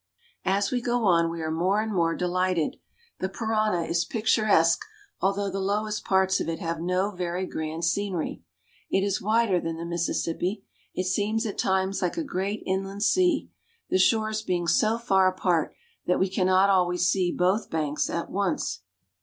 As we go on we are more and more delighted. The Parana is picturesque, although the lowest parts of it have no very grand scenery. It is wider than the Mississippi. It seems at times like a great inland sea, the shores being so far apart that we cannot always see both banks at once.